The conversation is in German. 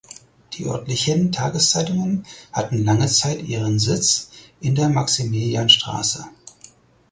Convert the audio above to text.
Die örtlichen Tageszeitungen hatten lange Zeit ihren Sitz in der Maximilianstraße.